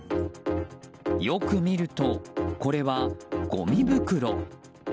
よく見ると、これはごみ袋。